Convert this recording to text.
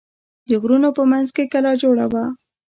د غرونو په منځ کې کلا جوړه وه.